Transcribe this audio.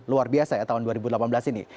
luar biasa ya tahun dua ribu delapan belas ini